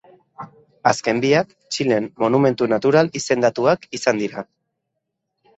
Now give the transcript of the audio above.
Azken biak, Txilen monumentu natural izendatuak izan dira.